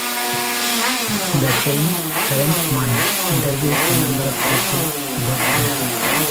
In the film, Terence Mann interviews a number of people about Graham.